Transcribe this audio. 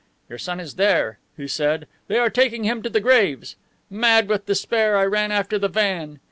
'Your son is there,' he said; 'they are taking him to the graves.' Mad with despair, I ran after the van.